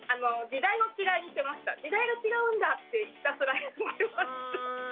時代が違うんだってひたすら言ってました。